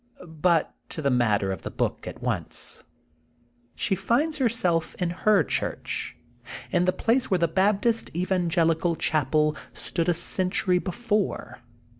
But to the matter of the book at once. She finds herself in her church, in the place where the Baptist Evangelical chapel stood a century before.